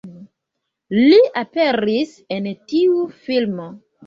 Li aperis en tiu filmo